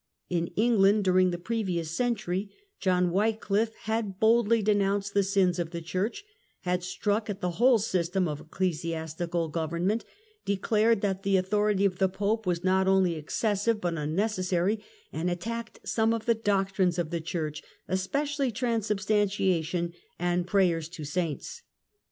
In England during the previous century, John WycHffe had boldly denounced the sins of the Church, had struck at the whole system of Ecclesiastical government declared that the authority of the Pope was not only excessive but unnecessary, and attacked some of the doc trines of the Church, especially transubstantiation and prayers to saints.